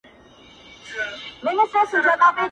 ټوله وركه يې~